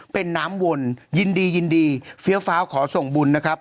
เป็นน้ำวนยินดียินดีเฟี้ยวฟ้าวขอส่งบุญนะครับ